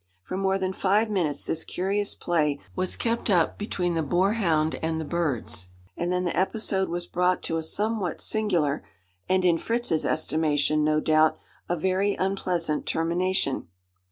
For more than five minutes this curious play was kept up between the boar hound and the birds; and then the episode was brought to a somewhat singular and in Fritz's estimation, no doubt a very unpleasant termination.